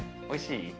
おいしい？